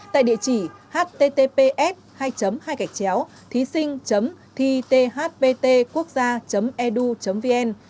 tại địa chỉ https hai hai thísinh thithptquốcgia edu vn